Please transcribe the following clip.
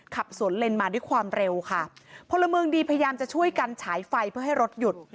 ขับสวนเลนมาด้วยความเร็วค่ะพลเมืองดีพยายามจะช่วยกันฉายไฟเพื่อให้รถหยุด